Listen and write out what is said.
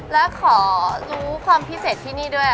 แล้วขอรู้ความพิเศษที่นี่ด้วย